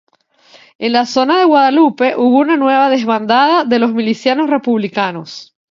En la zona de Guadalupe hubo una nueva desbandada de los milicianos republicanos.